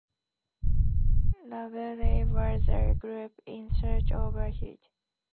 Labelle was a group in search of a hit.